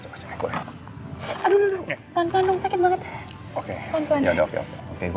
aduh aduh pelan pelan sakit banget oke oke oke oke